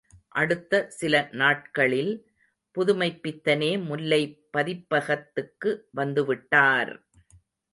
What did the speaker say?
அடுத்த சில நாட்களில் புதுமைப்பித்தனே முல்லை பதிப்பகத்துக்கு வந்துவிட்டார்!